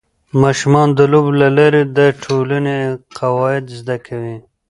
ماشومان د لوبو له لارې د ټولنې قواعد زده کوي.